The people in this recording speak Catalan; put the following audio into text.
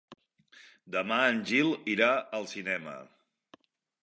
Demà en Gil irà al cinema.